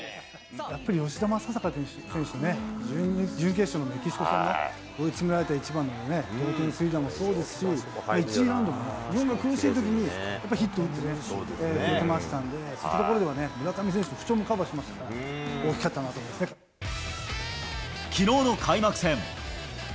やっぱり吉田正尚選手ね、準決勝のメキシコ戦の追い詰められての一番で、同点スリーランもそうですし、１次ラウンドも、日本が苦しいときに、やっぱりヒット打ってね、くれましたんで、そういったところではね、村上選手の不調もカバーしてましたから、大きかったなと思いきのうの開幕戦。